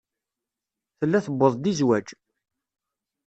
Tella tuweḍ-d i zzwaj.